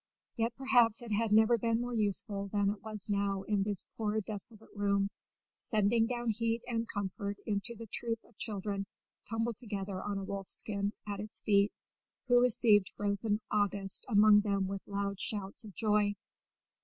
Yet perhaps it had never been more useful than it was now in this poor desolate room, sending down heat and comfort into the troop of children tumbled together on a wolfskin at its feet, who received frozen August among them with loud shouts of joy.